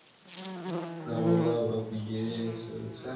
• د غراب او پنجرې یې سره څه,